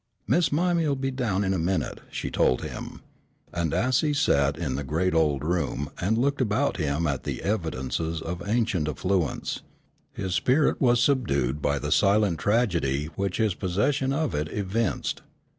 "Miss Mime'll be down in a minute," she told him, and as he sat in the great old room, and looked about him at the evidences of ancient affluence, his spirit was subdued by the silent tragedy which his possession of it evinced.